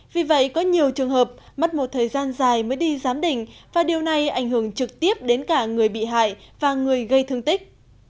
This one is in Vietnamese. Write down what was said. vì vậy có nhiều trường hợp mất một thời gian dài mới đi giám định và điều này ảnh hưởng trực tiếp đến cả người bị hại và người gây thương tích